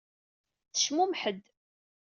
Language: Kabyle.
Tecmummeḥ-d.